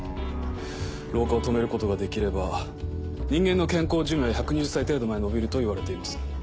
老化を止めることができれば人間の健康寿命は１２０歳程度まで延びるといわれています。